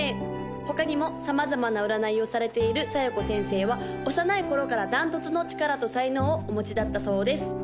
他にも様々な占いをされている小夜子先生は幼い頃から断トツの力と才能をお持ちだったそうです